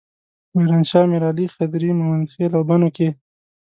میرانشاه، میرعلي، خدري، ممندخیل او بنو کې.